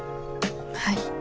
はい。